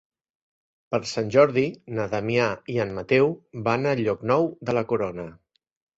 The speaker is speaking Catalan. Per Sant Jordi na Damià i en Mateu van a Llocnou de la Corona.